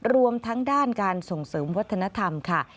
รวมทั้งด้านการส่งเสริมวัฒนธรรมค่ะ